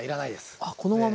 あっこのまま。